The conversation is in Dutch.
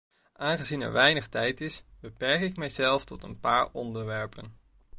Aangezien er weinig tijd is, beperk ik mijzelf tot een paar onderwerpen.